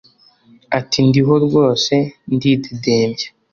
Ati “Ndiho rwose ndidegembya